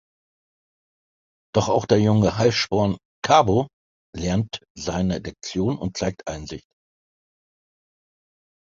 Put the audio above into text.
Doch auch der junge Heißsporn "Carbo" lernt seine Lektion und zeigt Einsicht.